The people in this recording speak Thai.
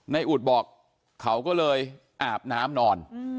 อุดบอกเขาก็เลยอาบน้ำนอน